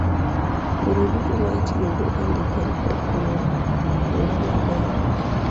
yore duto ma itiyogo e ndiko ripot onego lure maber